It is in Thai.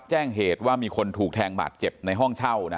แจ้งเหตุว่ามีคนถูกแทงบาดเจ็บในห้องเช่า